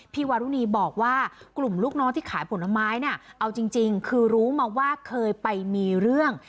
วารุณีบอกว่ากลุ่มลูกน้องที่ขายผลไม้เนี่ยเอาจริงคือรู้มาว่าเคยไปมีเรื่อง